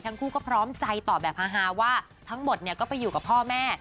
ทั้งคู่พร้อมไว้ใจต่อแบบฮาว่าทั้งหมดไปอยู่กับพ่อแม่